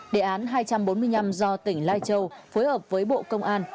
đề án hai trăm bốn mươi năm do tỉnh lai châu phối hợp với bộ công an